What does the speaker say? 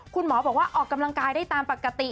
คุณหมอบอกว่าออกกำลังกายได้ตามปกติ